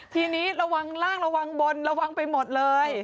ทีนี้ระวังล่างระวังบนระวังไปหมดเลย